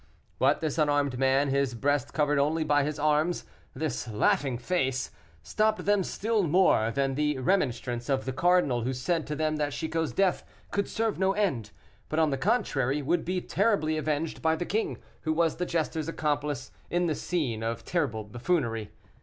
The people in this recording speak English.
But this unarmed man, his breast covered only by his arms this laughing face, stopped them still more than the remonstrance of the cardinal, who said to them that Chicot's death could serve no end, but, on the contrary, would be terribly avenged by the king, who was the jester's accomplice in this scene of terrible buffoonery.